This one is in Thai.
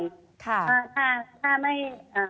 แล้วจะให้เจอสิบสามคนที่หายไป